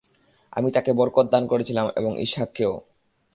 আমি তাঁকে বরকত দান করেছিলাম এবং ইসহাককেও।